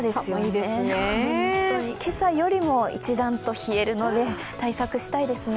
今朝よりも一段と冷えるので対策したいですね。